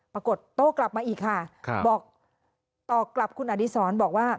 โต้กลับมาอีกค่ะบอกตอบกลับคุณอดีศรบอกว่า